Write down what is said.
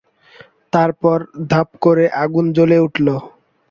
তারপর ধাপ করে আগুন জ্বলে উঠল।